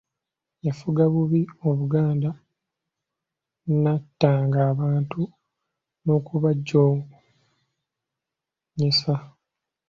Yafuga bubi Obuganda, n'attanga abantu n'okubajoonyesa.